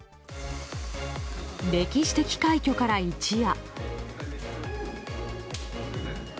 歴史的快挙から一夜。